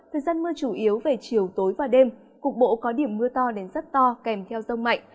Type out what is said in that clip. thời gian mưa chủ yếu về chiều tối và đêm cục bộ có điểm mưa to đến rất to kèm theo rông mạnh